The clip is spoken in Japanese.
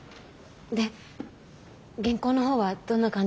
で原稿の方はどんな感じだった？